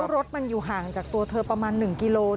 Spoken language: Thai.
รถมันอยู่ห่างจากตัวเธอประมาณ๑กิโล